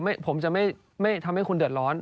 ผมจะไม่ทำให้คุณเดือดร้อน